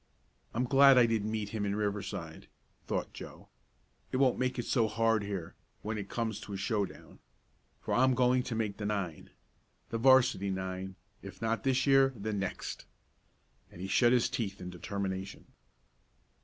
"I'm glad I didn't meet him in Riverside," thought Joe. "It won't make it so hard here when it comes to a showdown. For I'm going to make the nine! The 'varsity nine; if not this year, then next!" and he shut his teeth in determination.